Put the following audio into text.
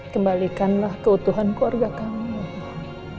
kembalikanlah keutuhan keluarga kamu ya allah